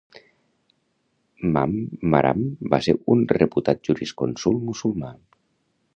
Mame Maram va ser un reputat jurisconsult musulmà.